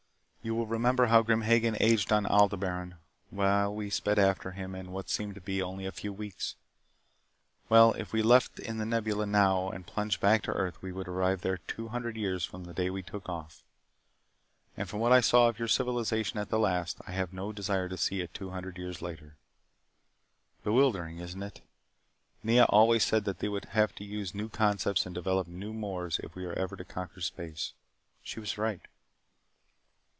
You will remember how Grim Hagen aged on Aldebaran while we sped after him in what seemed to be only a few weeks. Well, if we left in The Nebula now and plunged back to earth we would arrive there two hundred years from the day that we took off. And from what I saw of your civilization at the last, I have no desire to see it two hundred years later. Bewildering, isn't it? Nea always said that we would have to use new concepts and develop new mores if we ever conquered space. She was right.